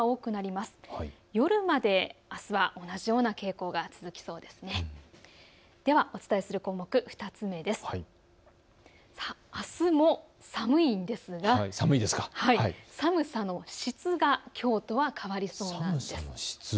あすも寒いんですが寒さの質がきょうとは変わりそうです。